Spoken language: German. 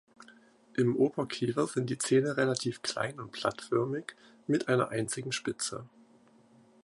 Im Oberkiefer sind die Zähne relativ klein und blattförmig mit einer einzigen Spitze.